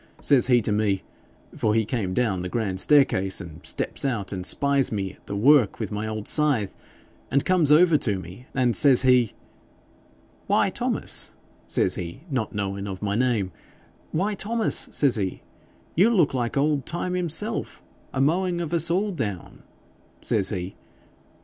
Says he to me for he come down the grand staircase, and steps out and spies me at the work with my old scythe, and come across to me, and says he, "Why, Thomas," says he, not knowin' of my name, "Why, Thomas," says he, "you look like old Time himself a mowing of us all down," says he.